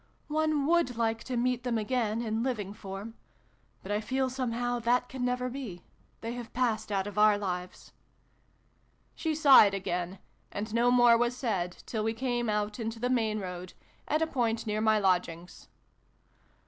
" One would like to meet them again, in living form ! But I feel, somehow, that can never be. They have passed out of our lives !" She sighed again ; and no more was said, till we came out into the main road, at a point near my lodgings.